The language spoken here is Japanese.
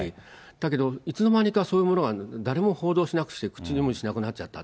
だけど、いつのまにかそういうものが誰も報道しなくて、口にもしなくなっちゃった。